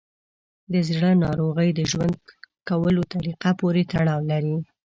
د زړه ناروغۍ د ژوند کولو طریقه پورې تړاو لري.